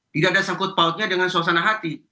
tidak ada sangkut pautnya dengan suasana hati